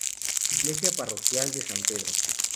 Iglesia parroquial de San Pedro.